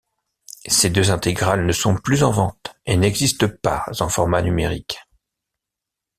Ces deux intégrales ne sont plus en vente et n'existent pas en format numérique.